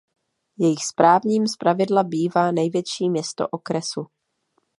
Jejich správním zpravidla bývá největší město okresu.